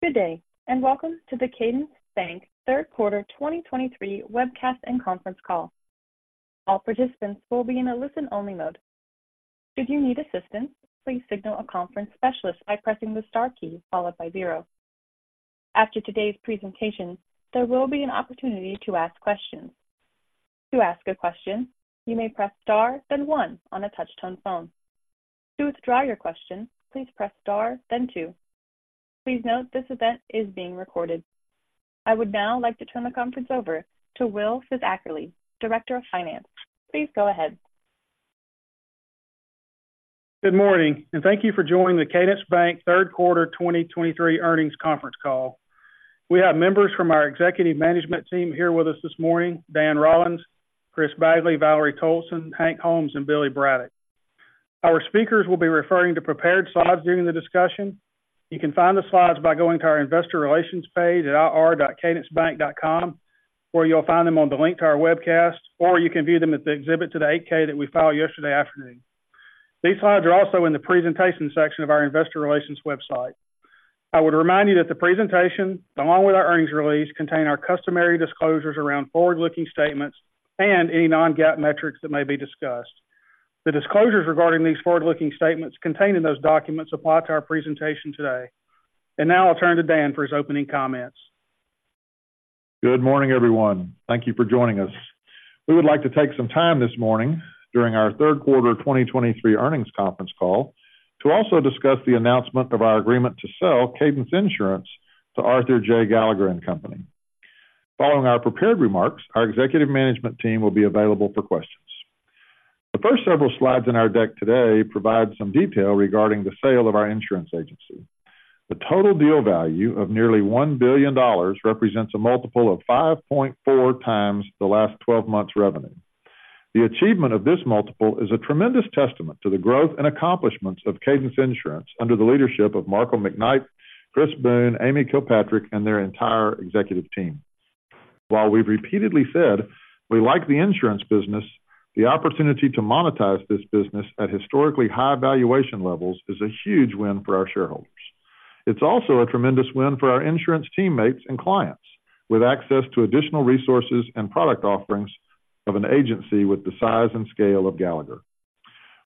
Good day, and welcome to the Cadence Bank third quarter 2023 webcast and conference call. All participants will be in a listen-only mode. Should you need assistance, please signal a conference specialist by pressing the star key followed by zero. After today's presentation, there will be an opportunity to ask questions. To ask a question, you may press star, then one on a touch-tone phone. To withdraw your question, please press star, then two. Please note, this event is being recorded. I would now like to turn the conference over to Will Fisackerly, Director of Finance. Please go ahead. Good morning, and thank you for joining the Cadence Bank third quarter 2023 earnings conference call. We have members from our executive management team here with us this morning, Dan Rollins, Chris Bagley, Valerie Toalson, Hank Holmes, and Billy Braddock. Our speakers will be referring to prepared slides during the discussion. You can find the slides by going to our investor relations page at ir.cadencebank.com, or you'll find them on the link to our webcast, or you can view them at the exhibit to the 8-K that we filed yesterday afternoon. These slides are also in the presentation section of our investor relations website. I would remind you that the presentation, along with our earnings release, contain our customary disclosures around forward-looking statements and any non-GAAP metrics that may be discussed. The disclosures regarding these forward-looking statements contained in those documents apply to our presentation today. Now I'll turn to Dan for his opening comments. Good morning, everyone. Thank you for joining us. We would like to take some time this morning during our third quarter 2023 earnings conference call to also discuss the announcement of our agreement to sell Cadence Insurance to Arthur J. Gallagher Company. Following our prepared remarks, our executive management team will be available for questions. The first several slides in our deck today provide some detail regarding the sale of our insurance agency. The total deal value of nearly $1 billion represents a multiple of 5.4x the last 12 months' revenue. The achievement of this multiple is a tremendous testament to the growth and accomplishments of Cadence Insurance under the leadership of Markham McKnight, Chris Boone, Amy Kilpatrick, and their entire executive team. While we've repeatedly said we like the insurance business, the opportunity to monetize this business at historically high valuation levels is a huge win for our shareholders. It's also a tremendous win for our insurance teammates and clients, with access to additional resources and product offerings of an agency with the size and scale of Gallagher.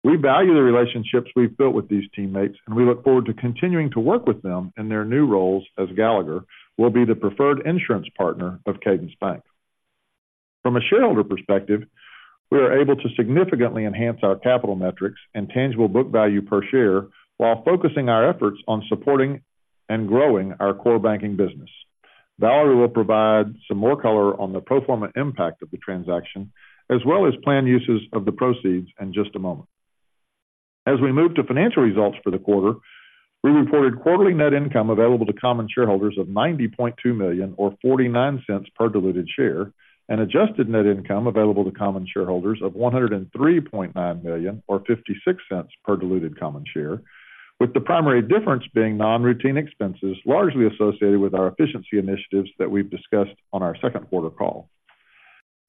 We value the relationships we've built with these teammates, and we look forward to continuing to work with them in their new roles as Gallagher will be the preferred insurance partner of Cadence Bank. From a shareholder perspective, we are able to significantly enhance our capital metrics and tangible book value per share while focusing our efforts on supporting and growing our core banking business. Valerie will provide some more color on the pro forma impact of the transaction, as well as planned uses of the proceeds in just a moment. As we move to financial results for the quarter, we reported quarterly net income available to common shareholders of $90.2 million or $0.49 per diluted share, and adjusted net income available to common shareholders of $103.9 million or $0.56 per diluted common share, with the primary difference being non-routine expenses, largely associated with our efficiency initiatives that we've discussed on our second quarter call.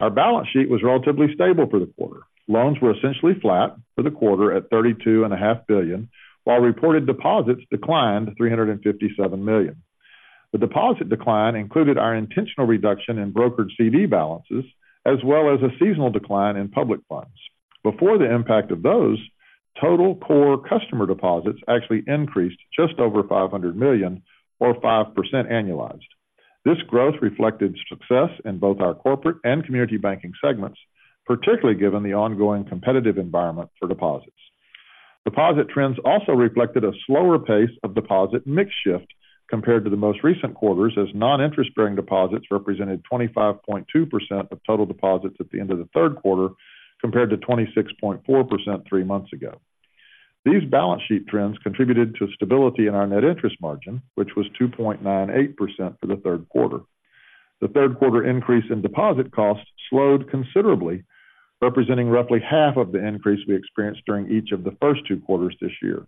Our balance sheet was relatively stable for the quarter. Loans were essentially flat for the quarter at $32.5 billion, while reported deposits declined $357 million. The deposit decline included our intentional reduction in brokered CD balances, as well as a seasonal decline in public funds. Before the impact of those, total core customer deposits actually increased just over $500 million or 5% annualized. This growth reflected success in both our corporate and community banking segments, particularly given the ongoing competitive environment for deposits. Deposit trends also reflected a slower pace of deposit mix shift compared to the most recent quarters, as non-interest-bearing deposits represented 25.2% of total deposits at the end of the third quarter, compared to 26.4% three months ago. These balance sheet trends contributed to stability in our net interest margin, which was 2.98% for the third quarter. The third quarter increase in deposit costs slowed considerably, representing roughly half of the increase we experienced during each of the first two quarters this year.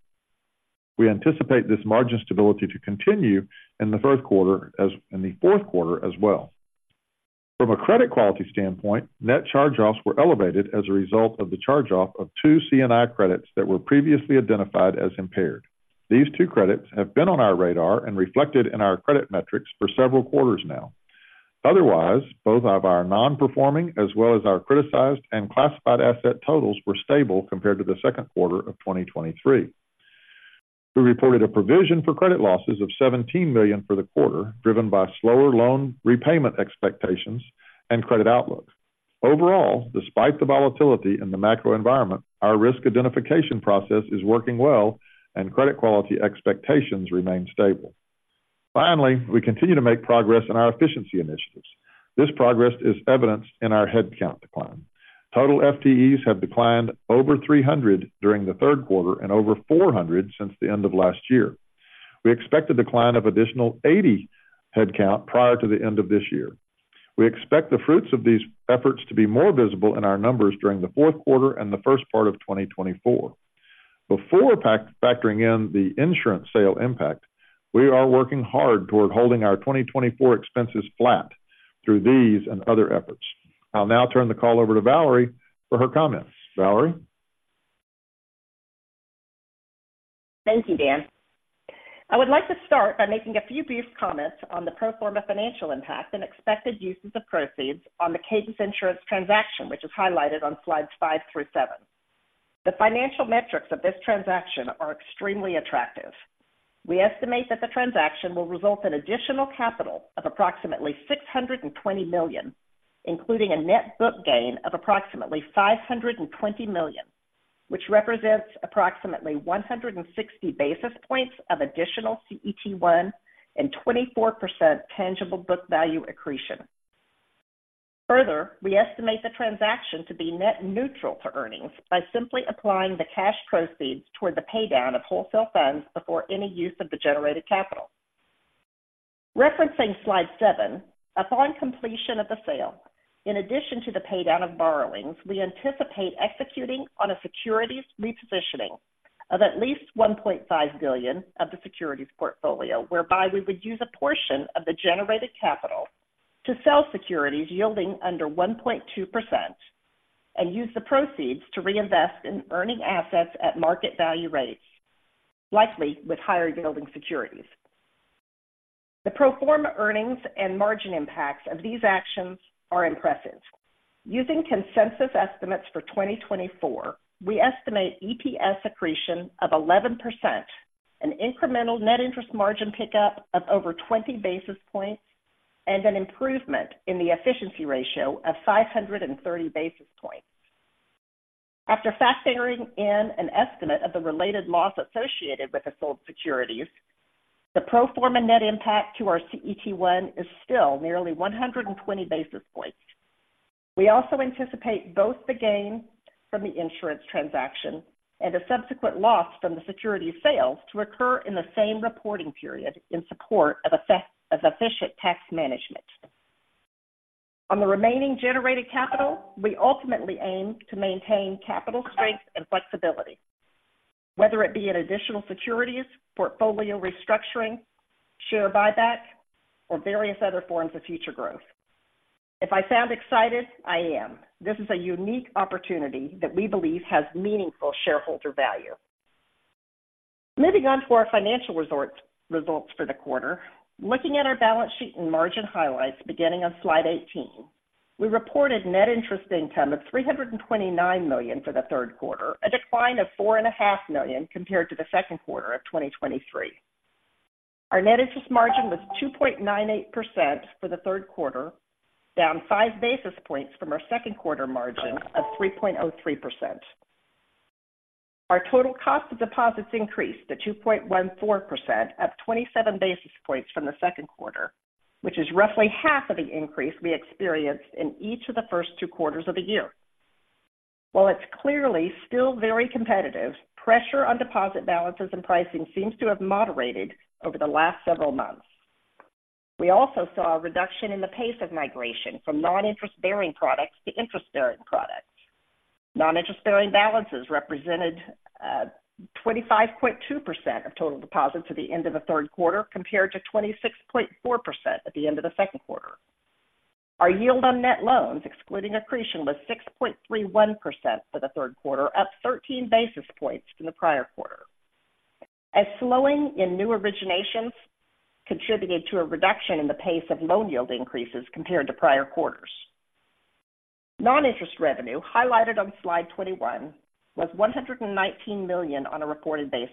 We anticipate this margin stability to continue in the first quarter, as in the fourth quarter as well. From a credit quality standpoint, net charge-offs were elevated as a result of the charge-off of two C&I credits that were previously identified as impaired. These two credits have been on our radar and reflected in our credit metrics for several quarters now. Otherwise, both of our non-performing as well as our criticized and classified asset totals were stable compared to the second quarter of 2023. We reported a provision for credit losses of $17 million for the quarter, driven by slower loan repayment expectations and credit outlook. Overall, despite the volatility in the macro environment, our risk identification process is working well, and credit quality expectations remain stable. Finally, we continue to make progress in our efficiency initiatives. This progress is evidenced in our headcount decline. Total FTEs have declined over 300 during the third quarter and over 400 since the end of last year. We expect a decline of additional 80 headcount prior to the end of this year. We expect the fruits of these efforts to be more visible in our numbers during the fourth quarter and the first part of 2024. Before factoring in the insurance sale impact, we are working hard toward holding our 2024 expenses flat through these and other efforts. I'll now turn the call over to Valerie for her comments. Valerie? Thank you, Dan. I would like to start by making a few brief comments on the pro forma financial impact and expected uses of proceeds on the Cadence Insurance transaction, which is highlighted on slides 5 through 7. The financial metrics of this transaction are extremely attractive. We estimate that the transaction will result in additional capital of approximately $620 million, including a net book gain of approximately $520 million, which represents approximately 160 basis points of additional CET1 and 24% tangible book value accretion. Further, we estimate the transaction to be net neutral to earnings by simply applying the cash proceeds toward the paydown of wholesale funds before any use of the generated capital. Referencing slide 7, upon completion of the sale, in addition to the paydown of borrowings, we anticipate executing on a securities repositioning of at least $1.5 billion of the securities portfolio, whereby we would use a portion of the generated capital to sell securities yielding under 1.2% and use the proceeds to reinvest in earning assets at market value rates, likely with higher yielding securities. The pro forma earnings and margin impacts of these actions are impressive. Using consensus estimates for 2024, we estimate EPS accretion of 11%, an incremental net interest margin pickup of over 20 basis points, and an improvement in the efficiency ratio of 530 basis points. After factoring in an estimate of the related loss associated with the sold securities, the pro forma net impact to our CET1 is still nearly 120 basis points. We also anticipate both the gain from the insurance transaction and a subsequent loss from the security sales to occur in the same reporting period in support of effective tax management. On the remaining generated capital, we ultimately aim to maintain capital strength and flexibility, whether it be in additional securities, portfolio restructuring, share buyback, or various other forms of future growth. If I sound excited, I am. This is a unique opportunity that we believe has meaningful shareholder value. Moving on to our financial results for the quarter. Looking at our balance sheet and margin highlights beginning on slide 18, we reported net interest income of $329 million for the third quarter, a decline of $4.5 million compared to the second quarter of 2023. Our net interest margin was 2.98% for the third quarter, down 5 basis points from our second quarter margin of 3.03%. Our total cost of deposits increased to 2.14%, up 27 basis points from the second quarter, which is roughly half of the increase we experienced in each of the first two quarters of the year. While it's clearly still very competitive, pressure on deposit balances and pricing seems to have moderated over the last several months. We also saw a reduction in the pace of migration from non-interest bearing products to interest bearing products. Non-interest bearing balances represented 25.2% of total deposits at the end of the third quarter, compared to 26.4% at the end of the second quarter. Our yield on net loans, excluding accretion, was 6.31% for the third quarter, up 13 basis points from the prior quarter. A slowing in new originations contributed to a reduction in the pace of loan yield increases compared to prior quarters. Non-interest revenue, highlighted on slide 21, was $119 million on a reported basis,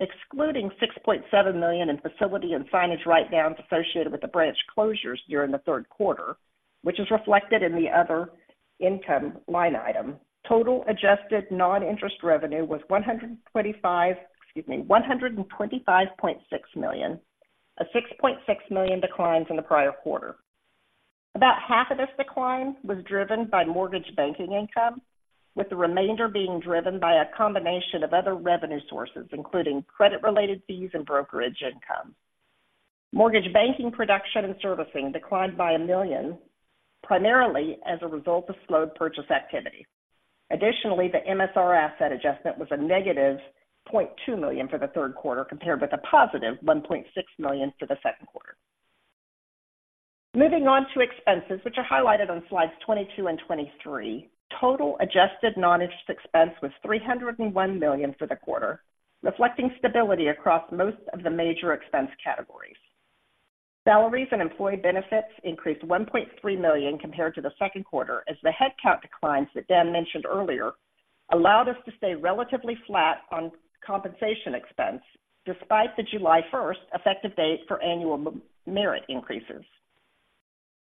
excluding $6.7 million in facility and signage write-downs associated with the branch closures during the third quarter, which is reflected in the other income line item. Total adjusted non-interest revenue was $125, excuse me, $125.6 million, a $6.6 million declines in the prior quarter. About half of this decline was driven by mortgage banking income, with the remainder being driven by a combination of other revenue sources, including credit-related fees and brokerage income. Mortgage banking production and servicing declined by $1 million, primarily as a result of slowed purchase activity. Additionally, the MSR asset adjustment was a negative $0.2 million for the third quarter, compared with a positive $1.6 million for the second quarter. Moving on to expenses, which are highlighted on slides 22 and 23. Total adjusted non-interest expense was $301 million for the quarter, reflecting stability across most of the major expense categories. Salaries and employee benefits increased $1.3 million compared to the second quarter, as the headcount declines that Dan mentioned earlier allowed us to stay relatively flat on compensation expense despite the July 1 effective date for annual merit increases.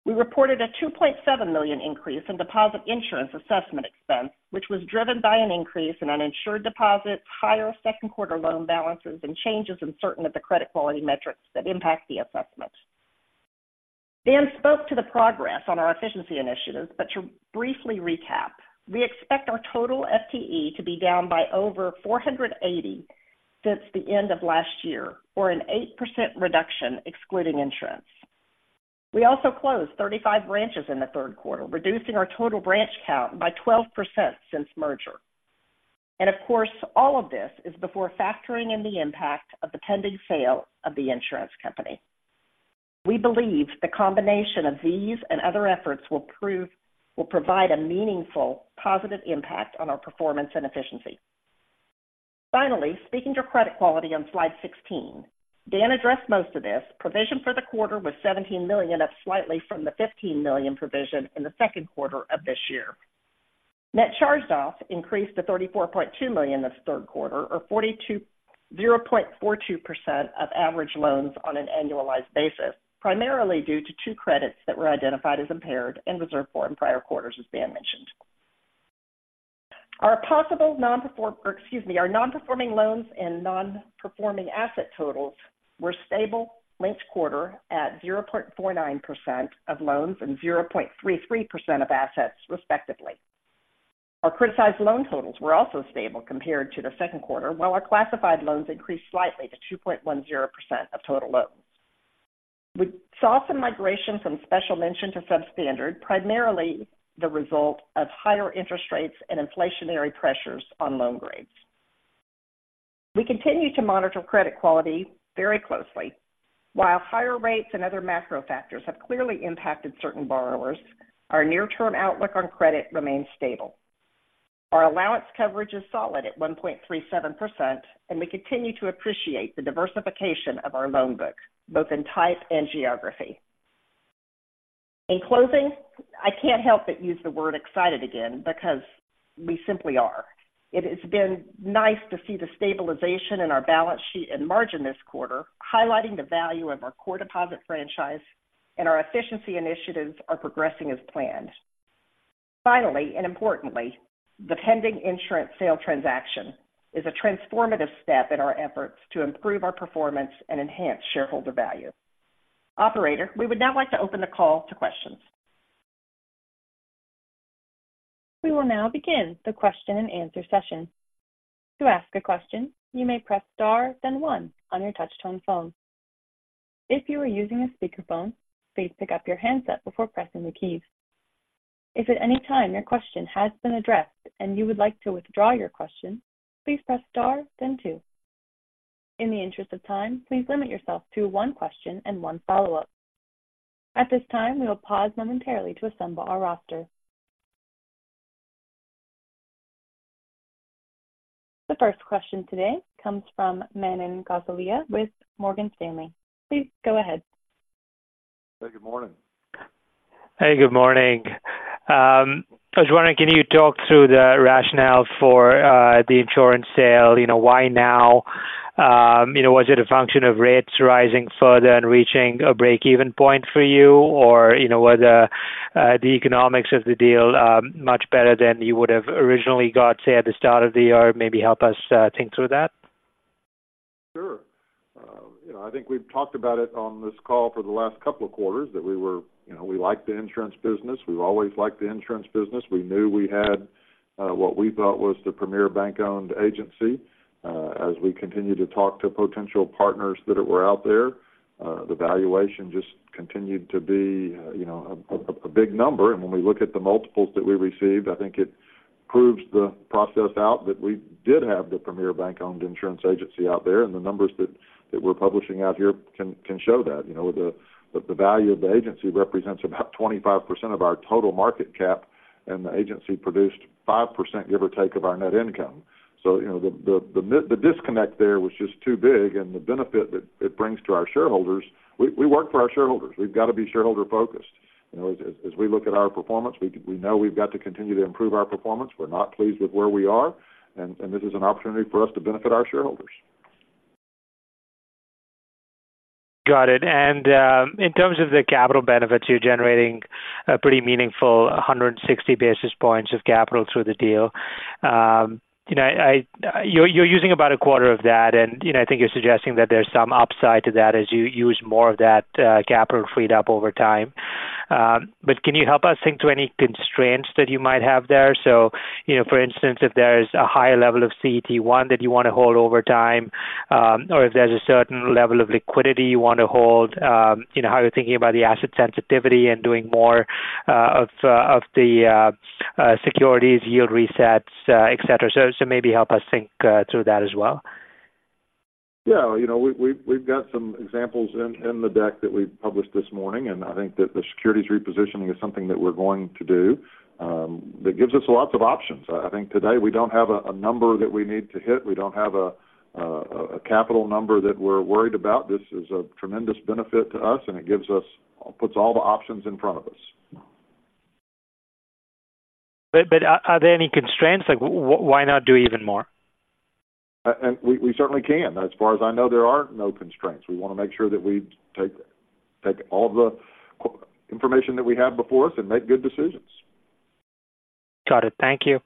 We reported a $2.7 million increase in deposit insurance assessment expense, which was driven by an increase in uninsured deposits, higher second quarter loan balances, and changes in certain of the credit quality metrics that impact the assessment. Dan spoke to the progress on our efficiency initiatives, but to briefly recap, we expect our total FTE to be down by over 480 since the end of last year, or an 8% reduction, excluding insurance. We also closed 35 branches in the third quarter, reducing our total branch count by 12% since merger. Of course, all of this is before factoring in the impact of the pending sale of the insurance company. We believe the combination of these and other efforts will prove, will provide a meaningful positive impact on our performance and efficiency. Finally, speaking to credit quality on slide 16, Dan addressed most of this. Provision for the quarter was $17 million, up slightly from the $15 million provision in the second quarter of this year. Net charge-offs increased to $34.2 million this third quarter, or 0.42% of average loans on an annualized basis, primarily due to two credits that were identified as impaired and reserved for in prior quarters, as Dan mentioned. Our possible non-perform, or excuse me, our non-performing loans and non-performing asset totals were stable linked-quarter at 0.49% of loans and 0.33% of assets, respectively. Our criticized loan totals were also stable compared to the second quarter, while our classified loans increased slightly to 2.10% of total loans. We saw some migration from special mention to substandard, primarily the result of higher interest rates and inflationary pressures on loan grades. We continue to monitor credit quality very closely. While higher rates and other macro factors have clearly impacted certain borrowers, our near-term outlook on credit remains stable. Our allowance coverage is solid at 1.37%, and we continue to appreciate the diversification of our loan book, both in type and geography. In closing, I can't help but use the word excited again, because we simply are. It has been nice to see the stabilization in our balance sheet and margin this quarter, highlighting the value of our core deposit franchise and our efficiency initiatives are progressing as planned. Finally, and importantly, the pending insurance sale transaction is a transformative step in our efforts to improve our performance and enhance shareholder value. Operator, we would now like to open the call to questions. We will now begin the question-and-answer session. To ask a question, you may press star, then one on your touchtone phone. If you are using a speakerphone, please pick up your handset before pressing the keys. If at any time your question has been addressed and you would like to withdraw your question, please press star then two. In the interest of time, please limit yourself to one question and one follow-up. At this time, we will pause momentarily to assemble our roster. The first question today comes from Manan Gosalia with Morgan Stanley. Please go ahead. Good morning. Hey, good morning. I was wondering, can you talk through the rationale for the insurance sale? You know, why now? You know, was it a function of rates rising further and reaching a break-even point for you? Or, you know, were the economics of the deal much better than you would have originally got, say, at the start of the year? Maybe help us think through that. Sure. You know, I think we've talked about it on this call for the last couple of quarters, that we were, you know, we like the insurance business. We've always liked the insurance business. We knew we had what we thought was the premier bank-owned agency. As we continued to talk to potential partners that were out there, the valuation just continued to be, you know, a big number. And when we look at the multiples that we received, I think it proves the process out that we did have the premier bank-owned insurance agency out there, and the numbers that we're publishing out here can show that. You know, the value of the agency represents about 25% of our total market cap, and the agency produced 5%, give or take, of our net income. So, you know, the disconnect there was just too big and the benefit that it brings to our shareholders. We work for our shareholders. We've got to be shareholder focused. You know, as we look at our performance, we know we've got to continue to improve our performance. We're not pleased with where we are, and this is an opportunity for us to benefit our shareholders. Got it. And in terms of the capital benefits, you're generating a pretty meaningful 160 basis points of capital through the deal. You know, you're using about a quarter of that, and you know, I think you're suggesting that there's some upside to that as you use more of that capital freed up over time. But can you help us think through any constraints that you might have there? So you know, for instance, if there is a higher level of CET1 that you want to hold over time, or if there's a certain level of liquidity you want to hold, you know, how are you thinking about the asset sensitivity and doing more of the securities yield resets, et cetera. So maybe help us think through that as well. Yeah, you know, we've got some examples in the deck that we published this morning, and I think that the securities repositioning is something that we're going to do, that gives us lots of options. I think today we don't have a number that we need to hit. We don't have a capital number that we're worried about. This is a tremendous benefit to us, and it gives us, puts all the options in front of us. But are there any constraints? Like why not do even more? We certainly can. As far as I know, there are no constraints. We want to make sure that we take all the information that we have before us and make good decisions. Got it. Thank you.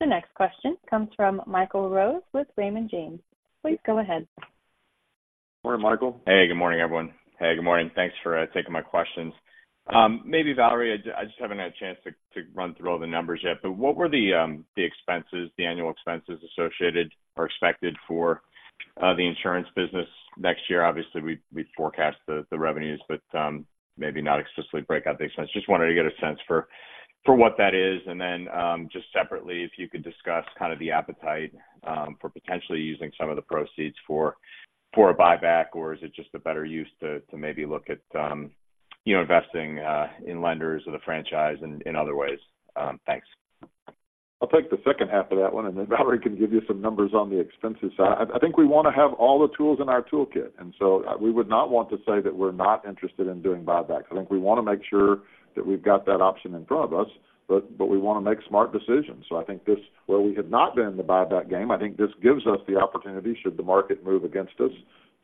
The next question comes from Michael Rose with Raymond James. Please go ahead. Good morning, Michael. Hey, good morning, everyone. Hey, good morning. Thanks for taking my questions. Maybe, Valerie, I just haven't had a chance to run through all the numbers yet, but what were the expenses, the annual expenses associated or expected for the insurance business next year? Obviously, we forecast the revenues, but maybe not explicitly break out the expenses. Just wanted to get a sense for what that is, and then just separately, if you could discuss kind of the appetite for potentially using some of the proceeds for a buyback, or is it just a better use to maybe look at you know, investing in lenders or the franchise in other ways? Thanks. I'll take the second half of that one, and then Valerie can give you some numbers on the expenses side. I, I think we want to have all the tools in our toolkit, and so, we would not want to say that we're not interested in doing buybacks. I think we want to make sure that we've got that option in front of us, but, but we want to make smart decisions. So I think this, where we have not been in the buyback game, I think this gives us the opportunity, should the market move against us,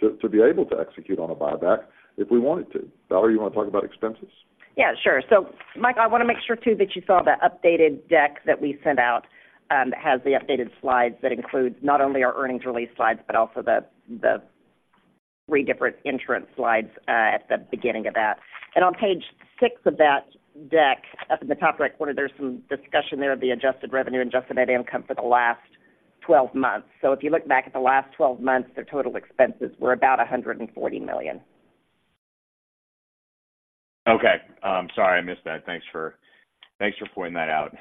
to, to be able to execute on a buyback if we wanted to. Valerie, you want to talk about expenses? Yeah, sure. So Michael, I want to make sure, too, that you saw the updated deck that we sent out, that has the updated slides that include not only our earnings release slides, but also the three different insurance slides at the beginning of that. And on page 6 of that deck, up in the top right corner, there's some discussion there of the adjusted revenue and adjusted net income for the last 12 months. So if you look back at the last 12 months, the total expenses were about $140 million. Okay. Sorry, I missed that. Thanks for, thanks for pointing that out.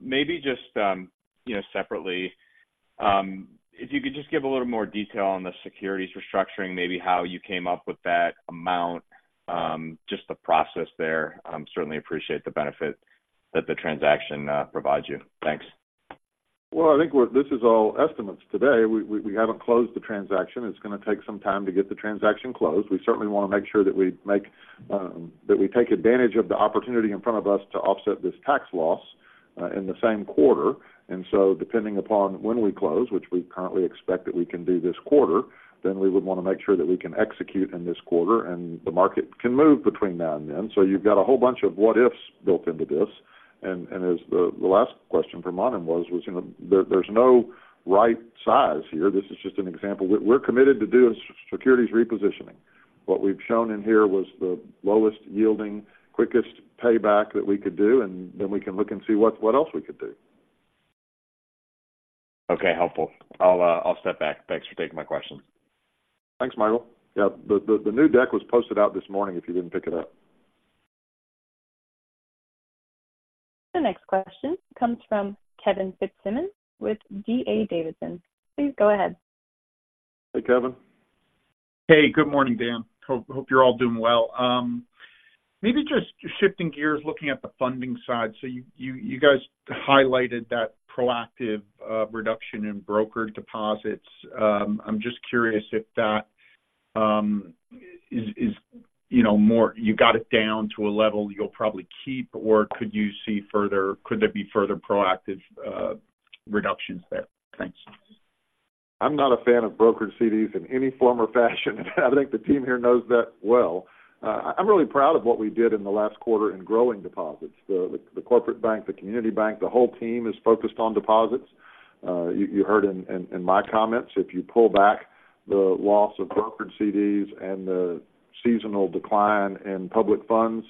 Maybe just, you know, separately, if you could just give a little more detail on the securities restructuring, maybe how you came up with that amount, just the process there. Certainly appreciate the benefit that the transaction provides you. Thanks. Well, I think this is all estimates today. We haven't closed the transaction. It's going to take some time to get the transaction closed. We certainly want to make sure that we take advantage of the opportunity in front of us to offset this tax loss in the same quarter. And so depending upon when we close, which we currently expect that we can do this quarter, then we would want to make sure that we can execute in this quarter, and the market can move between now and then. So you've got a whole bunch of what ifs built into this. And as the last question from Manan was, you know, there's no right size here. This is just an example. We're committed to doing securities repositioning. What we've shown in here was the lowest yielding, quickest payback that we could do, and then we can look and see what else we could do. Okay, helpful. I'll step back. Thanks for taking my questions. Thanks, Michael. Yeah. The new deck was posted out this morning, if you didn't pick it up. The next question comes from Kevin Fitzsimmons with D.A. Davidson. Please go ahead. Hey, Kevin. Hey, good morning, Dan. Hope you're all doing well. Maybe just shifting gears, looking at the funding side. So you guys highlighted that proactive reduction in broker deposits. I'm just curious if that is, you know, more—you got it down to a level you'll probably keep, or could you see further, could there be further proactive reductions there? Thanks. I'm not a fan of brokered CDs in any form or fashion, and I think the team here knows that well. I'm really proud of what we did in the last quarter in growing deposits. The corporate bank, the community bank, the whole team is focused on deposits. You heard in my comments, if you pull back the loss of brokered CDs and the seasonal decline in public funds,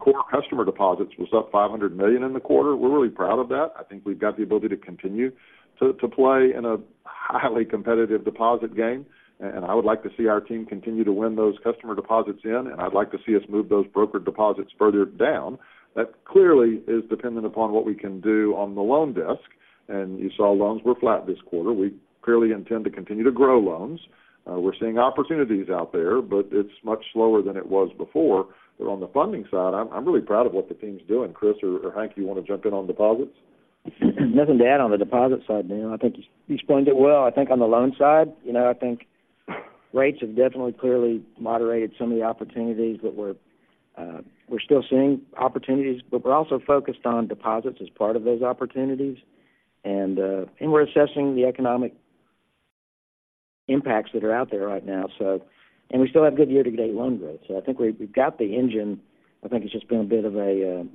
core customer deposits was up $500 million in the quarter. We're really proud of that. I think we've got the ability to continue to play in a highly competitive deposit game, and I would like to see our team continue to win those customer deposits, and I'd like to see us move those brokered deposits further down. That clearly is dependent upon what we can do on the loan desk, and you saw loans were flat this quarter. We clearly intend to continue to grow loans. We're seeing opportunities out there, but it's much slower than it was before. But on the funding side, I'm really proud of what the team's doing. Chris or Hank, you want to jump in on deposits? Nothing to add on the deposit side, Dan. I think you explained it well. I think on the loan side, you know, I think rates have definitely clearly moderated some of the opportunities that we're still seeing opportunities, but we're also focused on deposits as part of those opportunities. And we're assessing the economic impacts that are out there right now, so and we still have good year-to-date loan growth. So I think we've got the engine. I think it's just been a bit of a,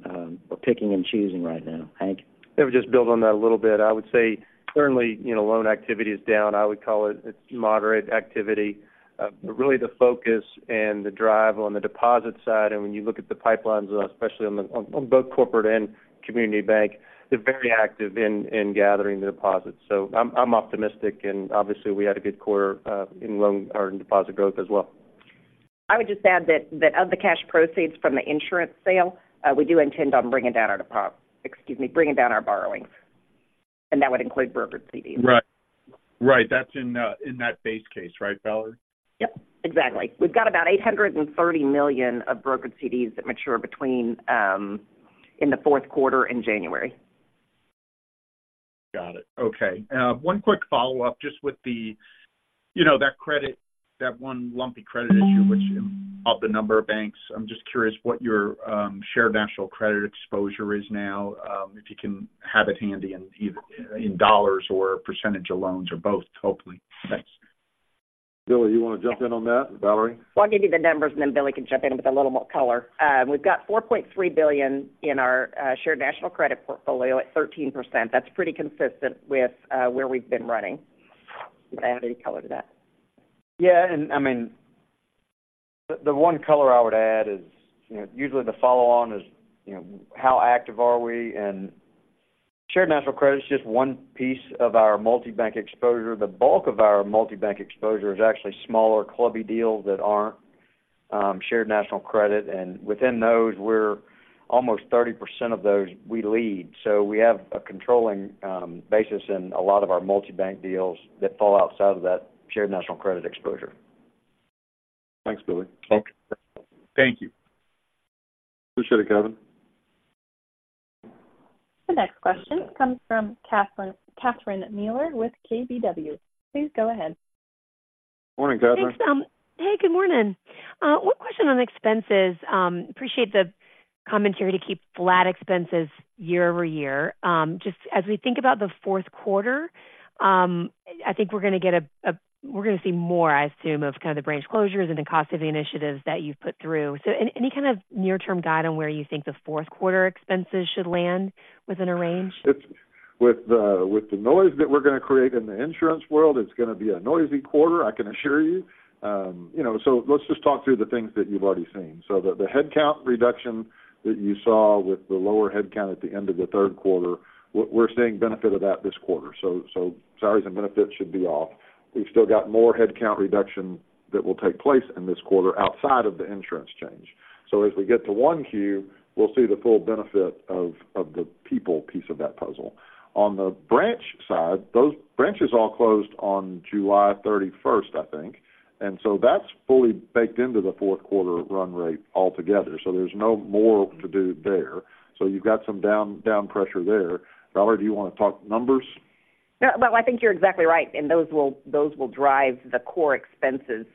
we're picking and choosing right now. Hank? Maybe just build on that a little bit. I would say certainly, you know, loan activity is down. I would call it. It's moderate activity. But really the focus and the drive on the deposit side, and when you look at the pipelines, especially on the, on, on both corporate and community bank, they're very active in, in gathering the deposits. So I'm, I'm optimistic, and obviously, we had a good quarter in loan or in deposit growth as well. I would just add that, that of the cash proceeds from the insurance sale, we do intend on bringing down our borrowings, and that would include brokered CDs. Right. Right. That's in that base case, right, Valerie? Yep, exactly. We've got about $830 million of brokered CDs that mature between, in the fourth quarter and January. Got it. Okay. One quick follow-up, just with the, you know, that credit, that one lumpy credit issue, which of the number of banks. I'm just curious what your Shared National Credit exposure is now, if you can have it handy in either in dollars or percentage of loans or both, hopefully. Thanks. Billy, you want to jump in on that, and Valerie? Well, I'll give you the numbers, and then Billy can jump in with a little more color. We've got $4.3 billion in our shared national credit portfolio at 13%. That's pretty consistent with where we've been running. You want to add any color to that? Yeah, and I mean, the one color I would add is, you know, usually the follow-on is, you know, how active are we and Shared National Credit is just one piece of our multibank exposure. The bulk of our multibank exposure is actually smaller clubby deals that aren't Shared National Credit, and within those, we're almost 30% of those we lead. So we have a controlling basis in a lot of our multibank deals that fall outside of that Shared National Credit exposure. Thanks, Billy. Okay. Thank you. Appreciate it, Kevin. The next question comes from Catherine Mealor with KBW. Please go ahead. Morning, Catherine. Thanks. Hey, good morning. One question on expenses. Appreciate the commentary to keep flat expenses year-over-year. Just as we think about the fourth quarter, I think we're going to see more, I assume, of kind of the branch closures and the cost of the initiatives that you've put through. So any kind of near-term guide on where you think the fourth quarter expenses should land within a range? It's with the noise that we're going to create in the insurance world, it's going to be a noisy quarter, I can assure you. You know, so let's just talk through the things that you've already seen. So the headcount reduction that you saw with the lower headcount at the end of the third quarter, we're seeing benefit of that this quarter. So salaries and benefits should be off. We've still got more headcount reduction that will take place in this quarter outside of the insurance change. So as we get to Q1, we'll see the full benefit of the people piece of that puzzle. On the branch side, those branches all closed on July 31st, I think. And so that's fully baked into the fourth quarter run rate altogether, so there's no more to do there. So you've got some down, down pressure there. Valerie, do you want to talk numbers? No, well, I think you're exactly right, and those will, those will drive the core expenses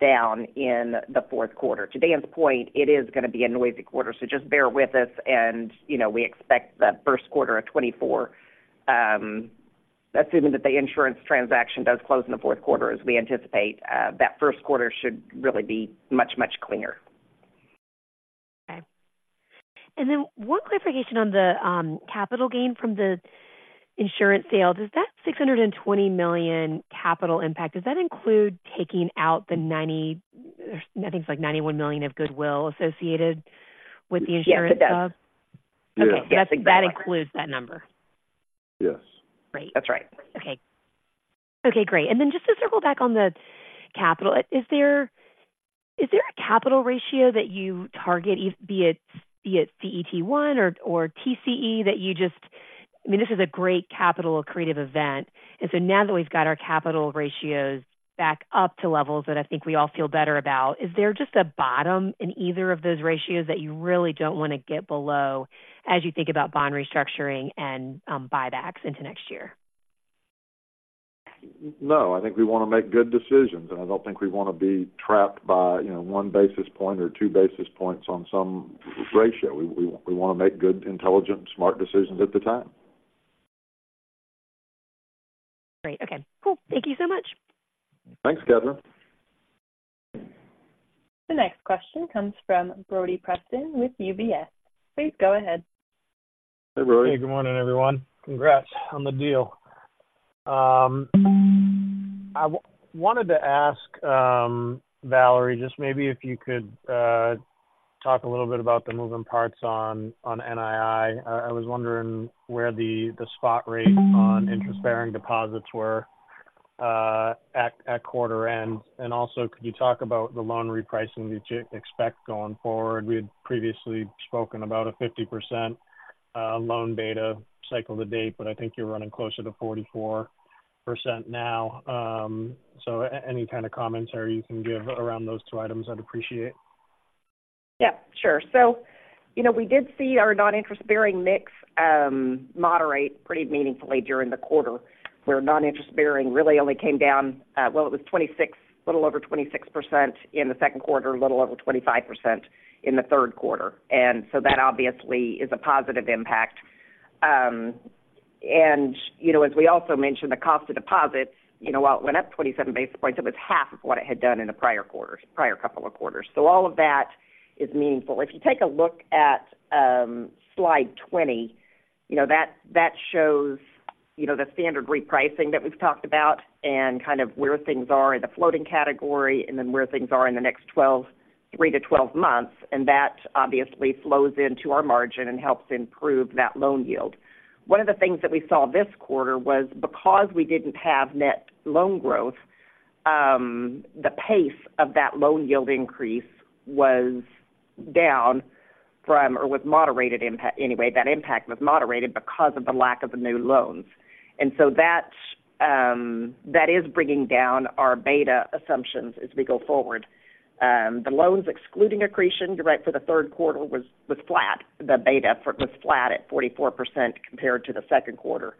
down in the fourth quarter. To Dan's point, it is going to be a noisy quarter, so just bear with us, and, you know, we expect the first quarter of 2024, assuming that the insurance transaction does close in the fourth quarter, as we anticipate, that first quarter should really be much, much cleaner. Okay. And then one clarification on the capital gain from the insurance sale. Does that $620 million capital impact include taking out the 90, I think it's like 91 million of goodwill associated with the insurance sub? Yes, it does. Yes. That includes that number? Yes. Great. That's right. Okay. Okay, great. And then just to circle back on the capital, is there a capital ratio that you target, either be it CET1 or TCE, that you just... I mean, this is a great capital accretive event. And so now that we've got our capital ratios back up to levels that I think we all feel better about, is there just a bottom in either of those ratios that you really don't want to get below as you think about bond restructuring and buybacks into next year? No, I think we want to make good decisions, and I don't think we want to be trapped by, you know, one basis point or two basis points on some ratio. We want to make good, intelligent, smart decisions at the time. Great. Okay, cool. Thank you so much. Thanks, Catherine. The next question comes from Brody Preston with UBS. Please go ahead. Hey, Brody. Hey, good morning, everyone. Congrats on the deal. I wanted to ask, Valerie, just maybe if you could talk a little bit about the moving parts on, on NII. I was wondering where the spot rate on interest-bearing deposits were at quarter end. And also, could you talk about the loan repricing that you expect going forward? We had previously spoken about a 50% loan beta cycle to date, but I think you're running closer to 44% now. So any kind of commentary you can give around those two items, I'd appreciate. Yeah, sure. So, you know, we did see our non-interest-bearing mix moderate pretty meaningfully during the quarter, where non-interest-bearing really only came down, well, it was 26, a little over 26% in the second quarter, a little over 25% in the third quarter. And so that obviously is a positive impact. And, you know, as we also mentioned, the cost of deposits, you know, while it went up 27 basis points, it was half of what it had done in the prior quarters, prior couple of quarters. So all of that is meaningful. If you take a look at slide 20, you know, that shows, you know, the standard repricing that we've talked about and kind of where things are in the floating category and then where things are in the next 3-12 months, and that obviously flows into our margin and helps improve that loan yield. One of the things that we saw this quarter was because we didn't have net loan growth, the pace of that loan yield increase, anyway, that impact was moderated because of the lack of the new loans. And so that is bringing down our beta assumptions as we go forward. The loans, excluding accretion, you're right, for the third quarter was flat. The beta for it was flat at 44% compared to the second quarter.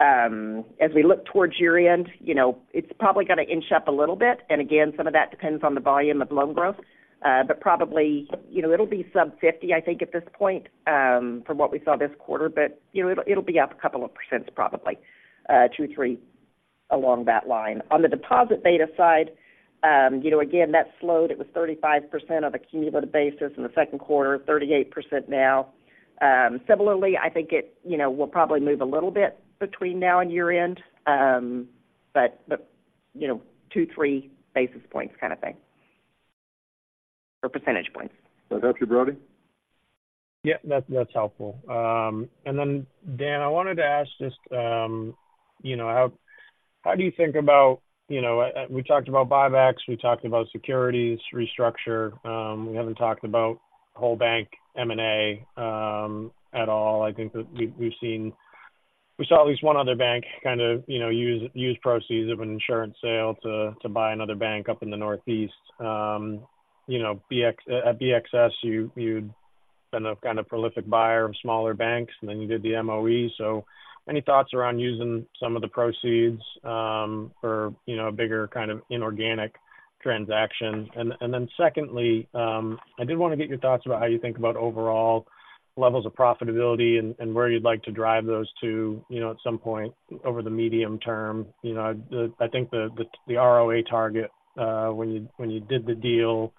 As we look towards year-end, you know, it's probably going to inch up a little bit, and again, some of that depends on the volume of loan growth. But probably, you know, it'll be sub 50, I think, at this point, from what we saw this quarter, but, you know, it'll be up a couple of percents, probably 2-3 along that line. On the deposit beta side, you know, again, that slowed. It was 35% on a cumulative basis in the second quarter, 38% now. Similarly, I think it, you know, will probably move a little bit between now and year-end, but the, you know, 2-3 basis points kind of thing or percentage points. Does that help you, Brody? Yeah, that's, that's helpful. And then, Dan, I wanted to ask just, you know, how, how do you think about, you know, we talked about buybacks, we talked about securities restructure, we haven't talked about whole bank M&A, at all. I think that we've, we've seen, we saw at least one other bank kind of, you know, use, use proceeds of an insurance sale to, to buy another bank up in the Northeast. You know, at BXS, you, you've been a kind of prolific buyer of smaller banks, and then you did the MOE. So any thoughts around using some of the proceeds, for, you know, a bigger kind of inorganic transaction? And then secondly, I did want to get your thoughts about how you think about overall levels of profitability and, and where you'd like to drive those to, you know, at some point over the medium term. You know, I think the ROA target, when you did the deal,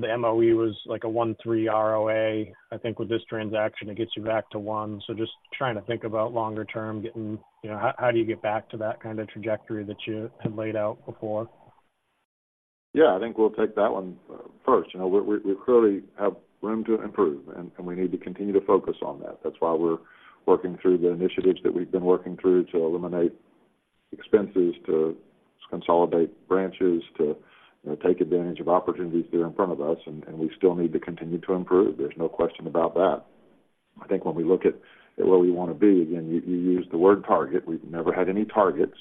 the MOE was like a 1.3 ROA. I think with this transaction, it gets you back to one. So just trying to think about longer term, getting, you know, how do you get back to that kind of trajectory that you had laid out before? Yeah, I think we'll take that one first. You know, we clearly have room to improve, and we need to continue to focus on that. That's why we're working through the initiatives that we've been working through to eliminate expenses, to consolidate branches, to, you know, take advantage of opportunities that are in front of us, and we still need to continue to improve. There's no question about that. I think when we look at where we want to be, again, you used the word target. We've never had any targets.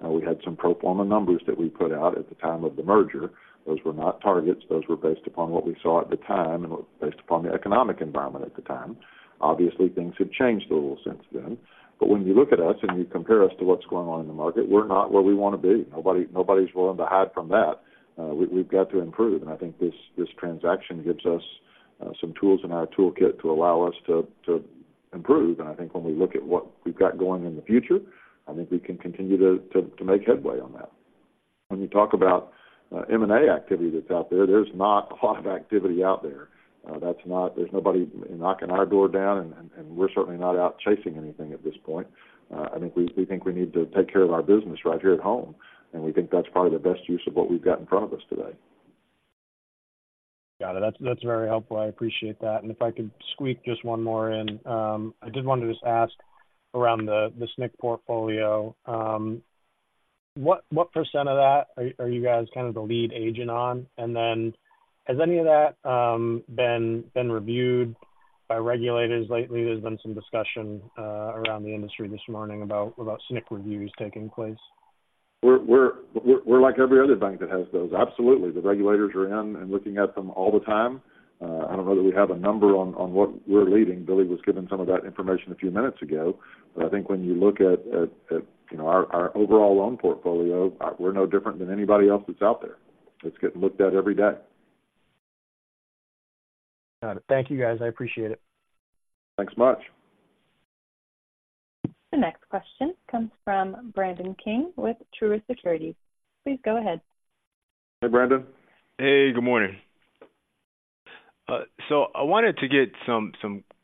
We had some pro forma numbers that we put out at the time of the merger. Those were not targets. Those were based upon what we saw at the time and based upon the economic environment at the time. Obviously, things have changed a little since then. But when you look at us and you compare us to what's going on in the market, we're not where we want to be. Nobody, nobody's willing to hide from that. We've got to improve, and I think this transaction gives us some tools in our toolkit to allow us to improve. And I think when we look at what we've got going in the future, I think we can continue to make headway on that. When you talk about M&A activity that's out there, there's not a lot of activity out there. That's not. There's nobody knocking our door down, and we're certainly not out chasing anything at this point. I think we think we need to take care of our business right here at home, and we think that's probably the best use of what we've got in front of us today. Got it. That's very helpful. I appreciate that. And if I could squeak just one more in. I did want to just ask around the SNC portfolio, what percent of that are you guys kind of the lead agent on? And then, has any of that been reviewed by regulators lately? There's been some discussion around the industry this morning about SNC reviews taking place. We're like every other bank that has those. Absolutely. The regulators are in and looking at them all the time. I don't know that we have a number on what we're leading. Billy was given some of that information a few minutes ago. But I think when you look at, you know, our overall loan portfolio, we're no different than anybody else that's out there. It's getting looked at every day. Got it. Thank you, guys. I appreciate it. Thanks much. The next question comes from Brandon King with Truist Securities. Please go ahead. Hey, Brandon. Hey, good morning. So I wanted to get some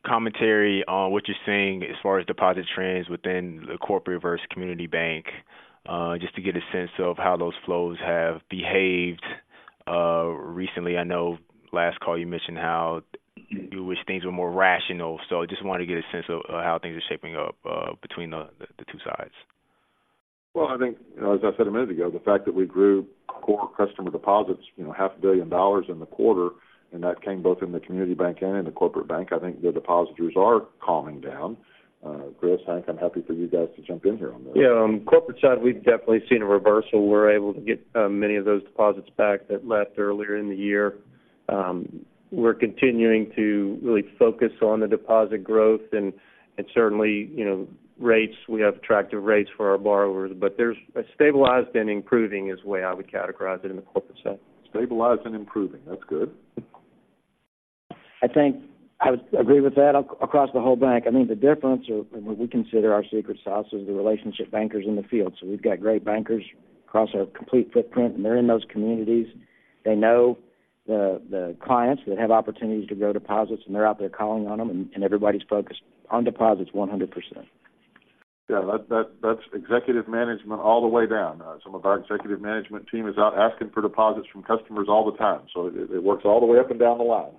commentary on what you're seeing as far as deposit trends within the corporate versus community bank, just to get a sense of how those flows have behaved, recently. I know last call you mentioned how you wish things were more rational, so I just wanted to get a sense of how things are shaping up, between the two sides. Well, I think, as I said a minute ago, the fact that we grew core customer deposits, you know, $500 million in the quarter, and that came both in the community bank and in the corporate bank. I think the depositors are calming down. Chris, Hank, I'm happy for you guys to jump in here on this. Yeah, on the corporate side, we've definitely seen a reversal. We're able to get, many of those deposits back that left earlier in the year. We're continuing to really focus on the deposit growth and, and certainly, you know, rates. We have attractive rates for our borrowers, but there's stabilized and improving is the way I would categorize it in the corporate sector. Stabilized and improving. That's good. I think I would agree with that across the whole bank. I mean, the difference or, and what we consider our secret sauce is the relationship bankers in the field. So we've got great bankers across our complete footprint, and they're in those communities. They know the clients that have opportunities to grow deposits, and they're out there calling on them, and everybody's focused on deposits 100%. Yeah, that's executive management all the way down. Some of our executive management team is out asking for deposits from customers all the time, so it works all the way up and down the line.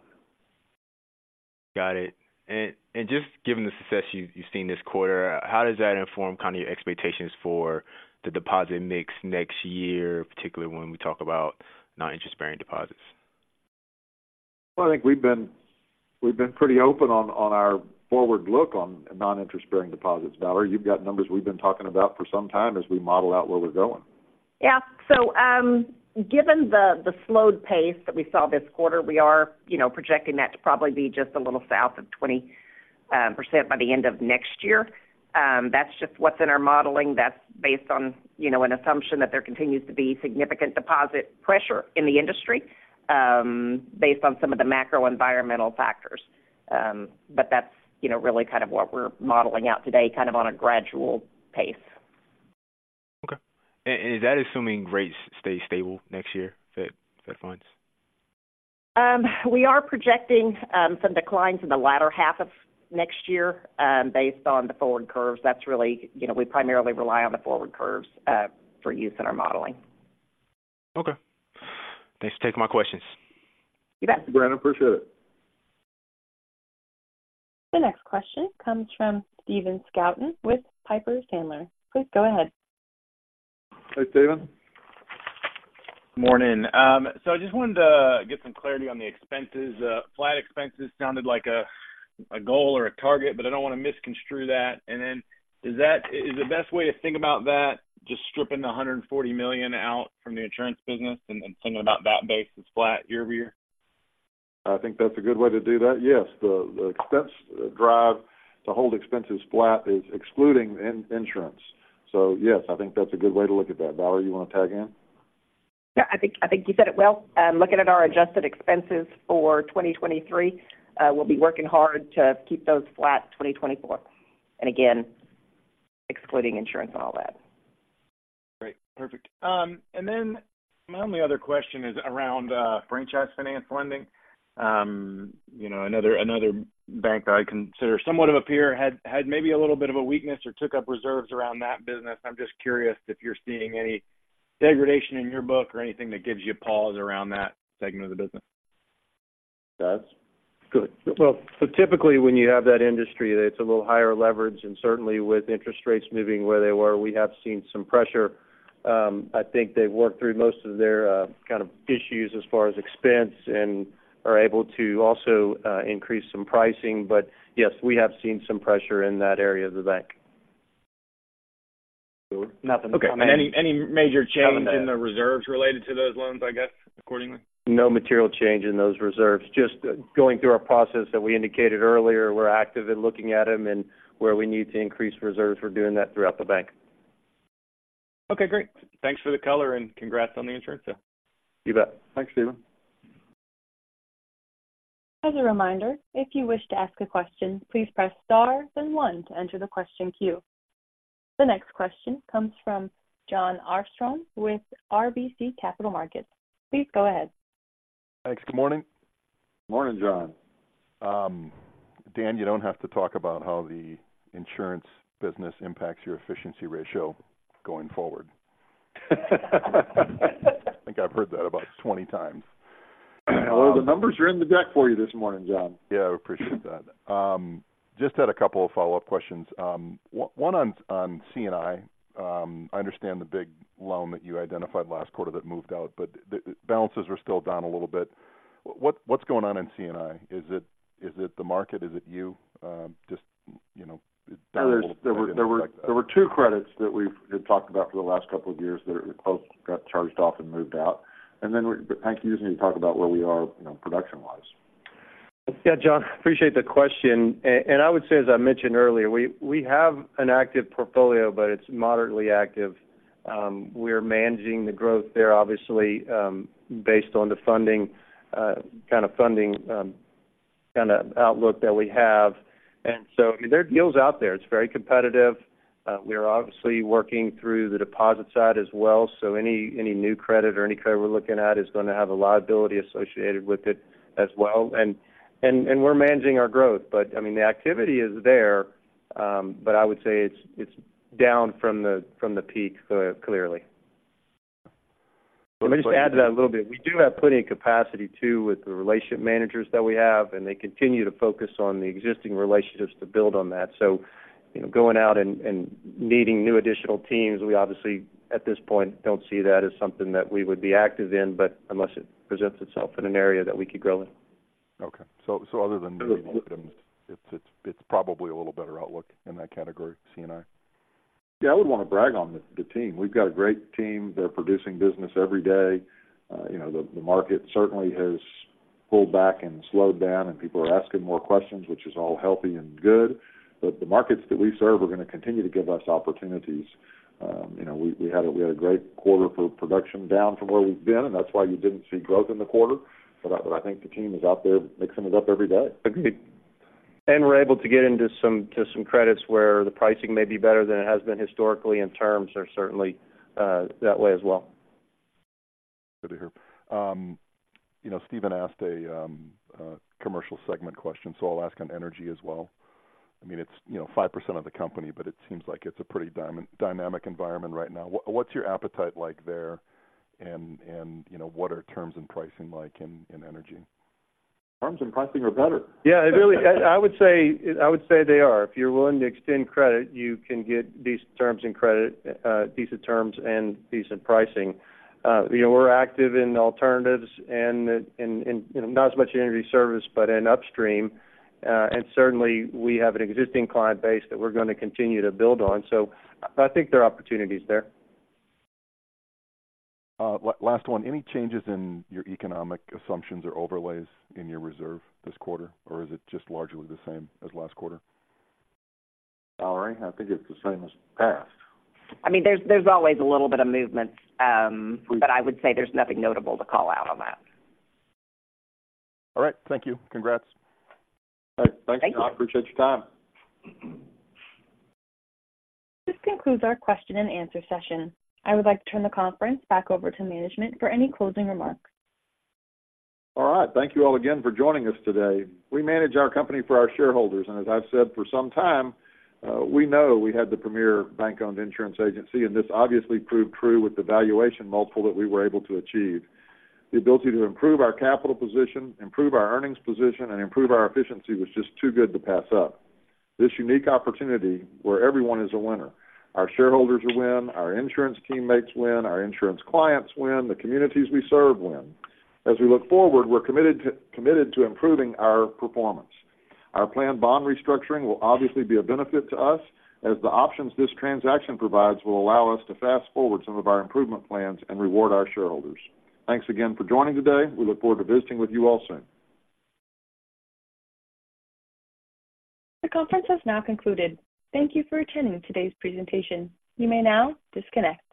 Got it. And just given the success you've seen this quarter, how does that inform kind of your expectations for the deposit mix next year, particularly when we talk about non-interest bearing deposits? Well, I think we've been, we've been pretty open on, on our forward look on non-interest bearing deposits. Valerie, you've got numbers we've been talking about for some time as we model out where we're going. Yeah. So, given the slowed pace that we saw this quarter, we are, you know, projecting that to probably be just a little south of 20% by the end of next year. That's just what's in our modeling. That's based on, you know, an assumption that there continues to be significant deposit pressure in the industry, based on some of the macro environmental factors. But that's, you know, really kind of what we're modeling out today, kind of on a gradual pace. Okay. And is that assuming rates stay stable next year, Fed funds? We are projecting some declines in the latter half of next year, based on the forward curves. That's really, you know, we primarily rely on the forward curves for use in our modeling. Okay. Thanks for taking my questions. You bet. Brandon, appreciate it. The next question comes from Stephen Scouten with Piper Sandler. Please go ahead. Hey, Stephen. Morning. So I just wanted to get some clarity on the expenses. Flat expenses sounded like a goal or a target, but I don't want to misconstrue that. Then is that the best way to think about that, just stripping the $140 million out from the insurance business and thinking about that base as flat year over year? I think that's a good way to do that. Yes, the expense drive to hold expenses flat is excluding insurance. So yes, I think that's a good way to look at that. Valerie, you want to tag in? Yeah, I think, I think you said it well. Looking at our adjusted expenses for 2023, we'll be working hard to keep those flat 2024, and again, excluding insurance and all that. Great, perfect. And then my only other question is around franchise finance lending. You know, another bank that I consider somewhat of a peer had maybe a little bit of a weakness or took up reserves around that business. I'm just curious if you're seeing any degradation in your book or anything that gives you pause around that segment of the business. Yes. Good. Well, so typically, when you have that industry, it's a little higher leverage, and certainly with interest rates moving where they were, we have seen some pressure. I think they've worked through most of their kind of issues as far as expense and are able to also increase some pricing. But yes, we have seen some pressure in that area of the bank. Nothing to comment- Okay. And any, any major change in the reserves related to those loans, I guess, accordingly? No material change in those reserves. Just going through our process that we indicated earlier, we're active in looking at them and where we need to increase reserves, we're doing that throughout the bank. Okay, great. Thanks for the color and congrats on the insurance sale. You bet. Thanks, Stephen. As a reminder, if you wish to ask a question, please press star, then one to enter the question queue. The next question comes from Jon Arfstrom with RBC Capital Markets. Please go ahead. Thanks. Good morning. Morning, Jon. Dan, you don't have to talk about how the insurance business impacts your efficiency ratio going forward. I think I've heard that about 20 times. Well, the numbers are in the deck for you this morning, Jon. Yeah, I appreciate that. Just had a couple of follow-up questions. One on C&I. I understand the big loan that you identified last quarter that moved out, but the balances are still down a little bit. What's going on in C&I? Is it the market? Is it you? Just, you know, down a little bit- There were two credits that we've talked about for the last couple of years that both got charged off and moved out. But Hank, you just need to talk about where we are, you know, production-wise. Yeah, Jon, appreciate the question. And I would say, as I mentioned earlier, we have an active portfolio, but it's moderately active. We're managing the growth there, obviously, based on the funding kind of funding kind of outlook that we have. And so there are deals out there. It's very competitive. We are obviously working through the deposit side as well, so any new credit or any credit we're looking at is going to have a liability associated with it as well. And we're managing our growth, but I mean, the activity is there, but I would say it's down from the peak clearly. Let me just add to that a little bit. We do have plenty of capacity, too, with the relationship managers that we have, and they continue to focus on the existing relationships to build on that. So, you know, going out and needing new additional teams, we obviously, at this point, don't see that as something that we would be active in, but unless it presents itself in an area that we could grow in. Okay. So other than it's probably a little better outlook in that category, C&I? Yeah, I would want to brag on the team. We've got a great team. They're producing business every day. You know, the market certainly has pulled back and slowed down, and people are asking more questions, which is all healthy and good. But the markets that we serve are going to continue to give us opportunities. You know, we had a great quarter for production, down from where we've been, and that's why you didn't see growth in the quarter. But I think the team is out there mixing it up every day. Agreed. We're able to get into some credits where the pricing may be better than it has been historically, and terms are certainly that way as well. Good to hear. You know, Stephen asked a commercial segment question, so I'll ask on energy as well. I mean, it's, you know, 5% of the company, but it seems like it's a pretty dynamic environment right now. What's your appetite like there? And, you know, what are terms and pricing like in energy? Terms and pricing are better. Yeah, it really... I, I would say, I would say they are. If you're willing to extend credit, you can get decent terms and credit, decent terms and decent pricing. You know, we're active in alternatives and in, in, you know, not as much in energy service, but in upstream. And certainly, we have an existing client base that we're going to continue to build on. So I think there are opportunities there. Last one: Any changes in your economic assumptions or overlays in your reserve this quarter, or is it just largely the same as last quarter? Valerie, I think it's the same as the past. I mean, there's always a little bit of movement, but I would say there's nothing notable to call out on that. All right. Thank you. Congrats. All right. Thanks, Jon. Thank you. Appreciate your time. This concludes our question and answer session. I would like to turn the conference back over to management for any closing remarks. All right. Thank you all again for joining us today. We manage our company for our shareholders, and as I've said for some time, we know we had the premier bank-owned insurance agency, and this obviously proved true with the valuation multiple that we were able to achieve. The ability to improve our capital position, improve our earnings position, and improve our efficiency was just too good to pass up. This unique opportunity where everyone is a winner, our shareholders win, our insurance teammates win, our insurance clients win, the communities we serve win. As we look forward, we're committed to, committed to improving our performance. Our planned bond restructuring will obviously be a benefit to us, as the options this transaction provides will allow us to fast-forward some of our improvement plans and reward our shareholders. Thanks again for joining today. We look forward to visiting with you all soon. The conference has now concluded. Thank you for attending today's presentation. You may now disconnect.